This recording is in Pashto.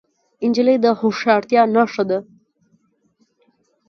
نجلۍ د هوښیارتیا نښه ده.